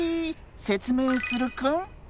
せつめいするクン！